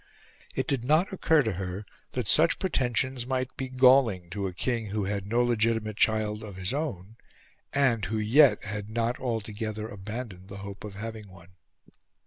It did not occur to her that such pretensions might be galling to a king who had no legitimate child of his own, and who yet had not altogether abandoned the hope of having one.